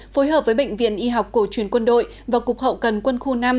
phối hợp với bệnh viện y học cổ truyền quân đội và cục hậu cần quân khu năm